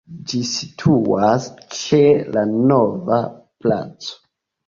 Ĝi situas ĉe la Nova Placo.